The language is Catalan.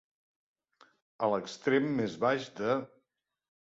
A l'extrem més baix de.